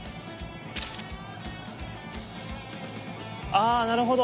ああなるほど！